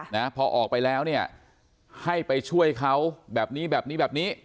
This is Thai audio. นะพอออกไปแล้วเนี่ยให้ไปช่วยเขาแบบนี้แบบนี้แบบนี้แบบนี้